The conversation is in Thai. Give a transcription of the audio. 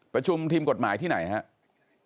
ประชุมทีมกฎหมายที่ไหนครับ